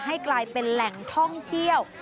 ให้กลายเป็นแหล่งท่องเที่ยว